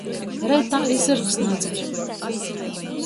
Reitā i zyrgs nadzer.